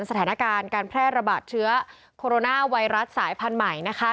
สถานการณ์การแพร่ระบาดเชื้อโคโรนาไวรัสสายพันธุ์ใหม่นะคะ